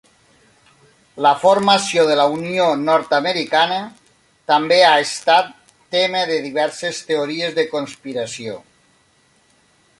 La formació de la Unió Nord-americana també ha estat tema de diverses teories de conspiració.